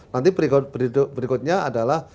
nanti berikutnya adalah